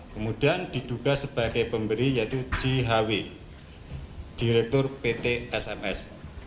kemudian diduga sebagai pemberi yaitu jhw direktur pt sms